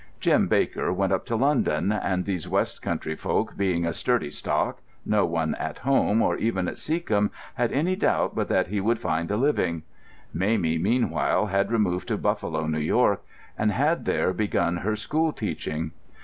Jim Baker went up to London, and these West Country folk being a sturdy stock, no one at home, or even at Seacombe, had any doubt but that he would find a living. Mamie, meanwhile, had removed to Buffalo, New York, and had there begun her school teaching.